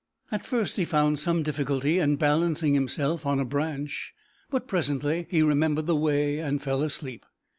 At first he found some difficulty in balancing himself on a branch, but presently he remembered the way, and fell asleep.